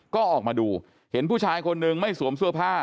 ก็ออกมาดูเห็นผู้ชายคนนึงไม่สวมเสื้อผ้า